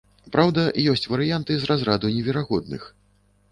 Праўда, ёсць варыянты з разраду неверагодных.